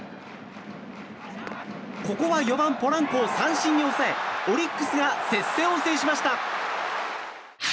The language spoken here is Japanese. ここは４番、ポランコを三振に抑えオリックスが接戦を制しました。